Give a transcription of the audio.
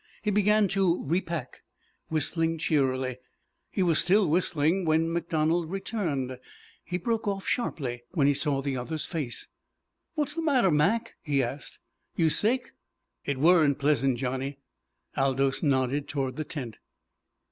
He began to repack, whistling cheerily. He was still whistling when MacDonald returned. He broke off sharply when he saw the other's face. "What's the matter, Mac?" he asked. "You sick?" "It weren't pleasant, Johnny." Aldous nodded toward the tent.